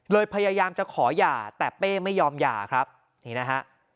พยายามจะขอหย่าแต่เป้ไม่ยอมหย่าครับนี่นะฮะ